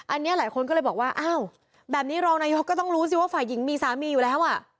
อันนี้หลายคนก็เลยบอกว่าอ้าวแบบนี้รองนายกก็ต้องรู้สิว่าฝ่ายหญิงมีสามีอยู่แล้วอ่ะ